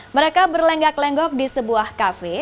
mereka berlenggak lenggok di sebuah kafe